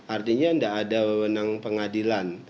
artinya tidak ada wewenang pengadilan